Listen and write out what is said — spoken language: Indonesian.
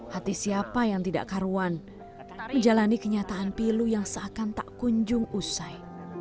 hati siapa yang tidak karuan menjalani kenyataan pilu yang seakan tak kunjung usai